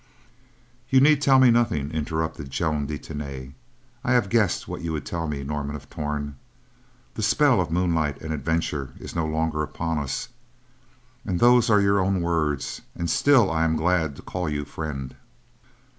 "You need tell me nothing," interrupted Joan de Tany. "I have guessed what you would tell me, Norman of Torn. 'The spell of moonlight and adventure is no longer upon us'—those are your own words, and still I am glad to call you friend."